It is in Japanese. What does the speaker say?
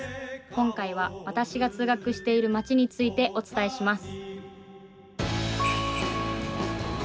今回は私が通学している街について、お伝えします。